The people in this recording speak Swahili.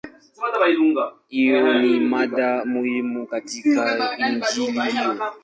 Hiyo ni mada muhimu katika Injili hiyo.